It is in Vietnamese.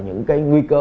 những cái nguy cơ